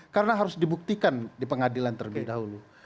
karena harus dibuktikan di pengadilan terlebih dahulu